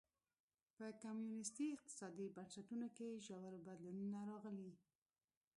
په کمونېستي اقتصادي بنسټونو کې ژور بدلونونه راغلي.